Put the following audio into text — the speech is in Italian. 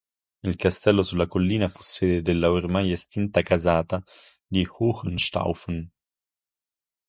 Il castello sulla collina fu sede della ormai estinta casata di Hohenstaufen.